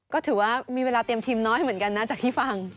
ก็ถือว่ามีเวลาเตรียมทีมน้อยเหมือนกันนะจากที่ฟัง